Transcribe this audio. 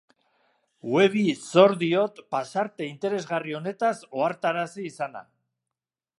Webbi zor diot pasarte interesgarri honetaz ohartarazi izana.